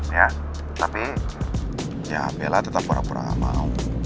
ya tapi bella tetap pura pura mau